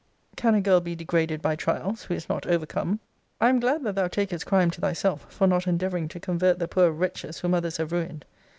Can a girl be degraded by trials, who is not overcome? I am glad that thou takest crime to thyself, for not endeavouring to convert the poor wretches whom others have ruined.